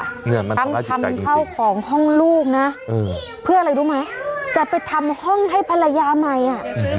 ทั้งทำข้าวของห้องลูกนะเพื่ออะไรรู้ไหมจะไปทำห้องให้ภรรยาใหม่อ่ะ